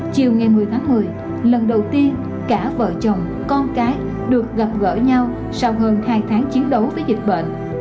chiều ngày một mươi tháng một mươi lần đầu tiên cả vợ chồng con cái được gặp gỡ nhau sau hơn hai tháng chiến đấu với dịch bệnh